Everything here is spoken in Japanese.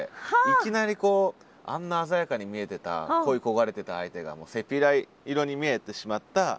いきなりこうあんな鮮やかに見えてた恋い焦がれてた相手がもうセピア色に見えてしまった秋の朝。